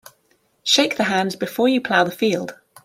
Shake the hand before you plough the field.